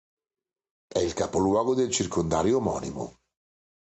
È capoluogo del circondario omonimo.